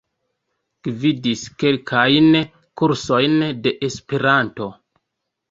Gvidis kelkajn kursojn de Esperanto.